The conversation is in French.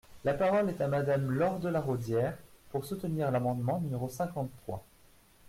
La parole est à Madame Laure de La Raudière, pour soutenir l’amendement numéro cinquante-trois.